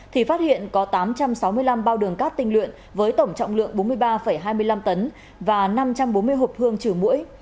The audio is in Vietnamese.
thì phát hiện có tám trăm sáu mươi năm bao đường cát tinh luyện với tổng trọng lượng bốn mươi ba hai mươi năm tấn và năm trăm bốn mươi hộp thương trừ mũi